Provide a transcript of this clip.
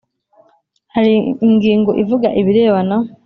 Hari ingingo ivuga ibirebana